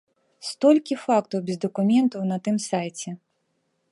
Столькі фактаў без дакументаў на тым сайце.